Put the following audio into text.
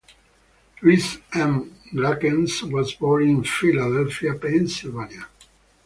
Louis M. Glackens was born in Philadelphia, Pennsylvania.